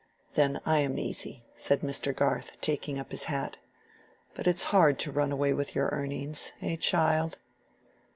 Then I am easy," said Mr. Garth, taking up his hat. "But it's hard to run away with your earnings, eh child."